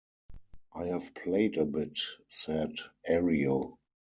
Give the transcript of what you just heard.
"I have played a bit," said Ario.